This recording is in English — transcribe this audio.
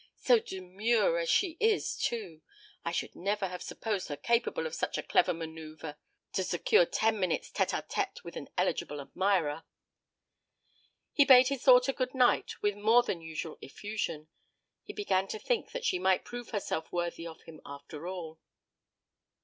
"So demure as she is, too! I should never have supposed her capable of such a clever manoeuvre to secure ten minutes' tête a tête with an eligible admirer." He bade his daughter good night with more than usual effusion. He began to think that she might prove herself worthy of him after all.